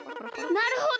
なるほど。